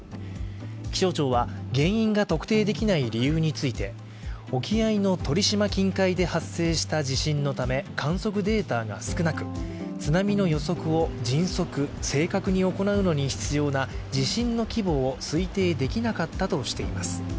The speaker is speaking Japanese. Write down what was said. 気象庁は原因が特定できない理由について沖合の鳥島近海で発生した地震のため観測データが少なく、津波の予測を迅速正確に行うのに必要な地震の規模を推定できなかったとしています。